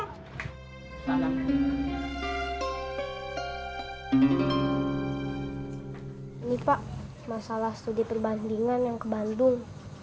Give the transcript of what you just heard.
ini pak masalah studi perbandingan yang ke bandung